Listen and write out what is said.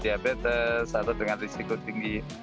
diabetes atau dengan risiko tinggi